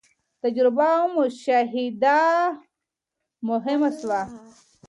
تجربه او مشاهده مهمه سوه.